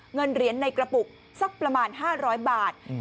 เงินเหรียญในกระปุกสักประมาณ๕๐๐บาท